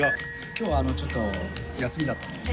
きょうはちょっと休みだったもんで。